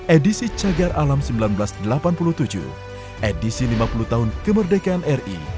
edisi cagar alam seribu sembilan ratus delapan puluh tujuh edisi lima puluh tahun kemerdekaan ri